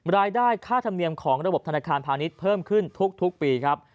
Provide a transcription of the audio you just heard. รายได้ค่าธรรมเนียมของระบบธนาคารพาณิชย์เพิ่มขึ้นทุกปีครับ